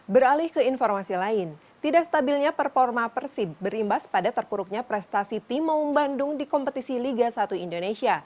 beralih ke informasi lain tidak stabilnya performa persib berimbas pada terpuruknya prestasi tim maung bandung di kompetisi liga satu indonesia